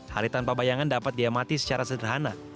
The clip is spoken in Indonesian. hari tanpa bayangan dapat diamati secara sederhana